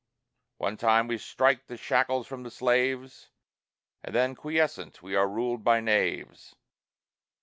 One time we strike the shackles from the slaves, And then, quiescent, we are ruled by knaves.